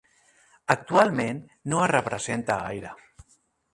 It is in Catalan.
Actualment no es representa gaire.